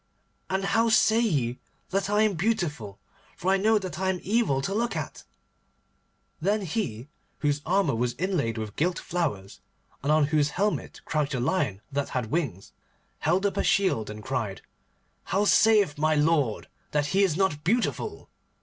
And how say ye that I am beautiful, for I know that I am evil to look at?' Then he, whose armour was inlaid with gilt flowers, and on whose helmet crouched a lion that had wings, held up a shield, and cried, 'How saith my lord that he is not beautiful?